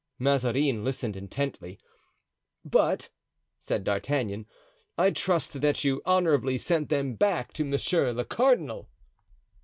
Mazarin listened intently. "But," said D'Artagnan, "I trust that you honorably sent them back to monsieur le cardinal!"